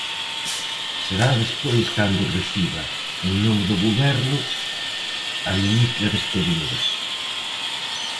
Será despois cando o reciba, en nome do Goberno, a ministra de Exteriores.